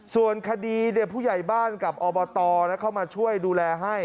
ส่วนคดีผู้ใหญ่บ้านกับอบตเข้ามาช่วยดูแลให้